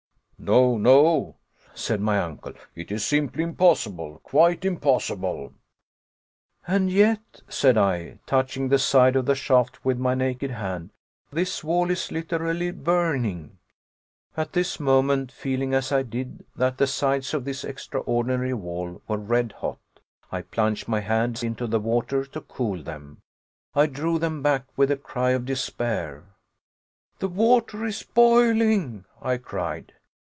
"No, no," said my uncle, "it is simply impossible, quite impossible." "And yet," said I, touching the side of the shaft with my naked hand, "this wall is literally burning." At this moment, feeling as I did that the sides of this extraordinary wall were red hot, I plunged my hands into the water to cool them. I drew them back with a cry of despair. "The water is boiling!" I cried.